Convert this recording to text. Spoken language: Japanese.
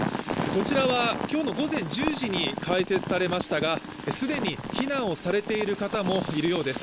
こちらは今日の午前１０時に開設されましたが既に避難をされている方もいるようです。